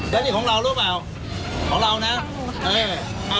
แล้วนี่ของเรารู้หรือเปล่าของเราน่ะ